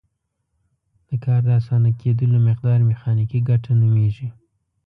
د کار د اسانه کیدلو مقدار میخانیکي ګټه نومیږي.